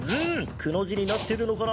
「く」のじになってるのかな。